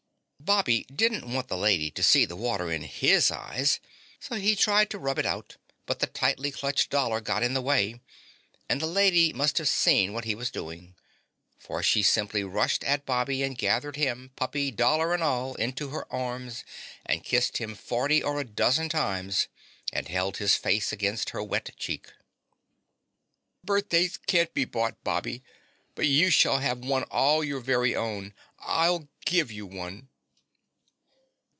Bobby didn't want the Lady to see the water in his eyes, so he tried to rub it out, but the tightly clutched dollar got in the way, and the lady must have seen what he was doing, for she simply rushed at Bobby and gathered him, puppy, dollar and all, into her arms and kissed him forty or a dozen times and held his face against her wet cheek. "Birthdays can't be bought, Bobby, but you shall have one all of your very own. I'll give you one."